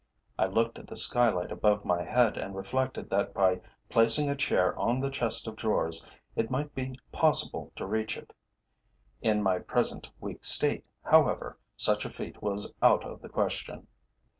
I looked at the skylight above my head and reflected that by placing a chair on the chest of drawers it might be possible to reach it; in my present weak state, however, such a feat was out of the question.